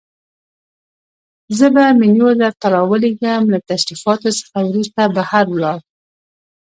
زه به منیو درته راولېږم، له تشریفاتو څخه وروسته بهر ولاړ.